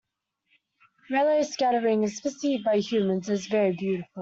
Raleigh scattering is perceived by humans as very beautiful.